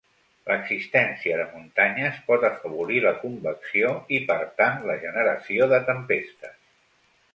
L’existència de muntanyes pot afavorir la convecció i, per tant, la generació de tempestes.